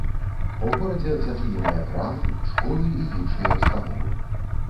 У горадзе зачыненыя крамы, школы і іншыя ўстановы.